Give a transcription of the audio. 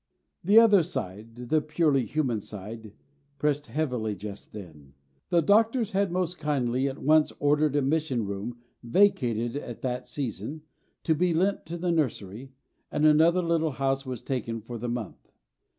The other side, the purely human side, pressed heavily just then. The doctors had most kindly at once ordered a mission room, vacated at that season, to be lent to the nursery, and another little house was taken for the month.